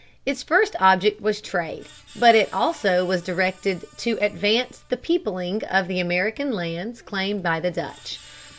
Its first object was trade, but it also was directed "to advance the peopling" of the American lands claimed by the Dutch.